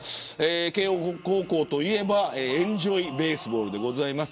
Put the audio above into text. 慶応高校といえばエンジョイ・ベースボールです。